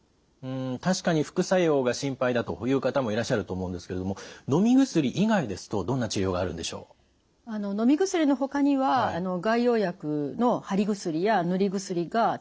確かに副作用が心配だという方もいらっしゃると思うんですけれどものみ薬以外ですとどんな治療があるんでしょう？のみ薬のほかには外用薬の貼り薬や塗り薬が使われることがあります。